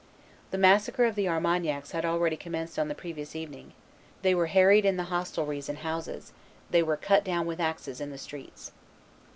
The massacre of the Armagnacs had already commenced on the previous evening: they were harried in the hostelries and houses; they were cut down with axes in the streets.